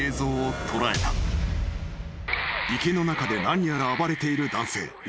［池の中で何やら暴れている男性］